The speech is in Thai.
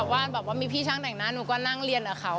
ว่าแบบว่ามีพี่ช่างแต่งหน้าหนูก็นั่งเรียนกับเขา